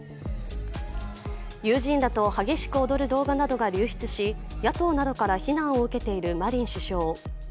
友人らと激しく踊る動画などが流出し野党などから非難を受けているマリン首相。